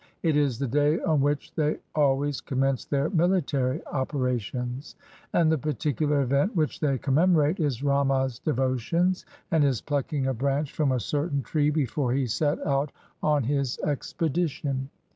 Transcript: It is the day on which they always commence their mili tary operations; and the particular event which they commemorate is Rama's devotions and his plucking a branch from a certain tree before he set out on his 173 INDIA expedition.